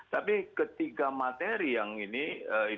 tapi ketiga materi yang ini itu yang paling penting